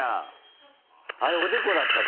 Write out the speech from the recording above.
あれおでこだったぞ。